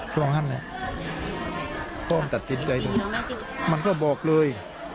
ช่วงนั้นแหละพ่อมันตัดสินใจดูมันก็บอกเลย